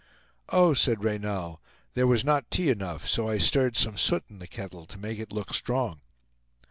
"Oh!" said Reynal, "there was not tea enough, so I stirred some soot in the kettle, to make it look strong."